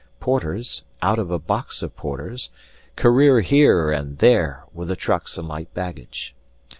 Porters (out of a box of porters) career here and there with the trucks and light baggage.